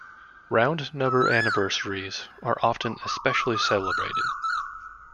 Round-number anniversaries are often especially celebrated.